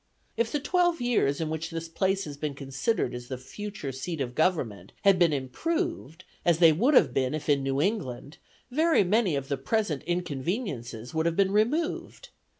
If the twelve years, in which this place has been considered as the future seat of government, had been improved, as they would have been if in New England, very many of the present inconveniences would have been removed.